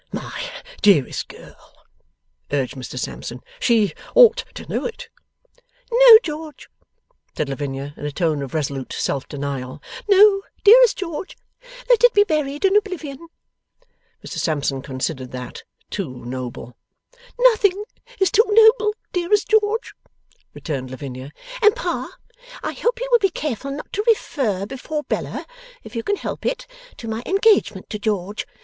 'My dearest girl,' urged Mr Sampson, 'she ought to know it.' 'No, George,' said Lavinia, in a tone of resolute self denial. 'No, dearest George, let it be buried in oblivion.' Mr Sampson considered that, 'too noble.' 'Nothing is too noble, dearest George,' returned Lavinia. 'And Pa, I hope you will be careful not to refer before Bella, if you can help it, to my engagement to George.